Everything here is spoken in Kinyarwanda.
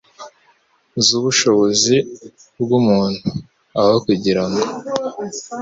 zu bushobozi bw’umuntu. Aho kugira ngo